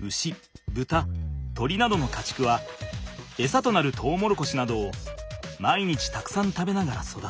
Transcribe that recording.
牛豚鶏などの家畜は餌となるトウモロコシなどを毎日たくさん食べながら育つ。